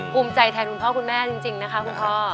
ภูมิใจกันคุณพ่อถึงแม่นจริงนะครับคุณพ่อ